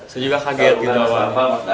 saya juga kaget gitu pak